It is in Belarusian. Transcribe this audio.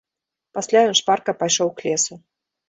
Пасля ён шпарка пайшоў к лесу.